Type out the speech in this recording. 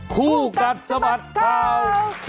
คู่กัดสมัครข่าว